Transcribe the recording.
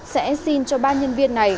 sẽ xin cho ba nhân viên này